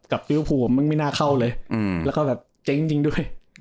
กับเรียวพูมันไม่น่าเข้าเลยอืมแล้วก็แบบเจ๊งจริงจริงด้วยอืม